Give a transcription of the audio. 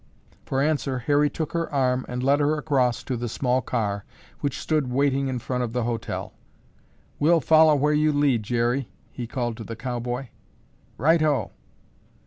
For answer Harry took her arm and led her across to the small car which stood waiting in front of the hotel. "We'll follow where you lead, Jerry," he called to the cowboy. "Righto!"